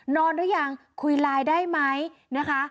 หรือยังคุยไลน์ได้ไหมนะคะ